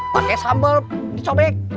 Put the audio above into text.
pakai sambal dicobik